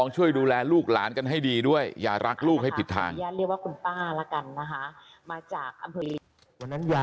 ช่วยดูแลลูกหลานกันให้ดีด้วยอย่ารักลูกให้ผิดทาง